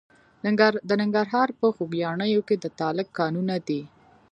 د ننګرهار په خوږیاڼیو کې د تالک کانونه دي.